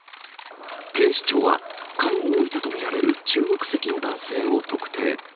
警視庁は、缶を置いたと見られる中国籍の男性を特定。